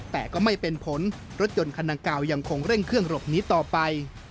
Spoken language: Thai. แต่ก็ไม่เป็นผลรถยนต์คันดังกล่าวยังคงเร่งเครื่องหลบหนีต่อไป